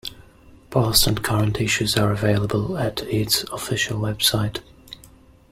Past and current issues are available at its official website.